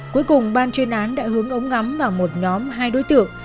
cuối cùng ban chuyên án đã hướng ống ngắm vào một nhóm hai đối tượng